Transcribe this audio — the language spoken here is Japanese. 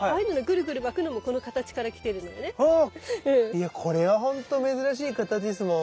いやこれはほんと珍しい形ですもん。